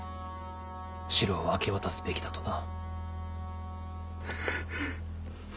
城を明け渡すべきだとな。